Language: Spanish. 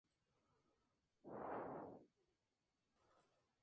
Los restantes están redactados en castellano.